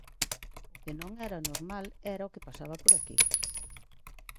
O que non era normal era o que pasaba por aquí.